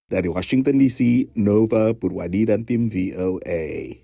dari washington dc nova purwadi dan tim voa